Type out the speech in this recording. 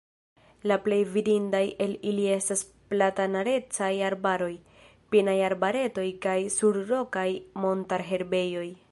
La plej vidindaj el ili estas platanaceraj arbaroj, pinaj arbaretoj kaj surrokaj montarherbejoj.